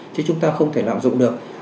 chứ chúng ta không thể lạm dụng được